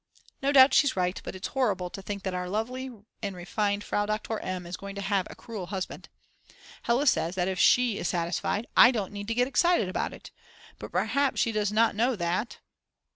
No doubt she's right, but it's horrible to think that our lovely and refined Frau Doktor M is going to have a cruel husband. Hella says that if she is satisfied, I don't need to get excited about it. But perhaps she does not know that